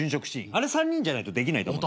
あれ３人じゃないとできないと思う。